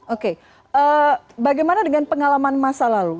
oke bagaimana dengan pengalaman masa lalu